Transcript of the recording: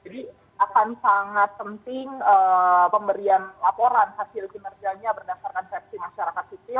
jadi akan sangat penting pemberian laporan hasil kinerjanya berdasarkan versi masyarakat sisi